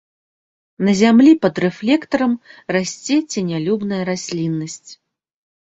На зямлі пад рэфлектарам расце ценялюбная расліннасць.